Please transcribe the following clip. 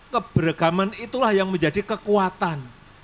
keberagaman itulah yang menjadi kekuatan